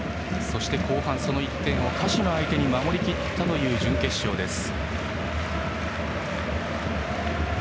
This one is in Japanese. そして後半、その１点を鹿島相手に守りきったという準決勝です。